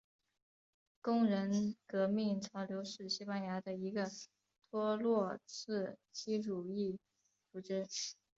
工人革命潮流是西班牙的一个托洛茨基主义组织。